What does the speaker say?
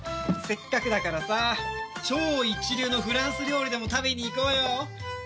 せっかくだからさ超一流のフランス料理でも食べに行こうよ！